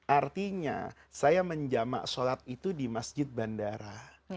artinya saya menjama sholat itu di masjid bandara